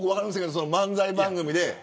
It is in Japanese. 漫才番組で。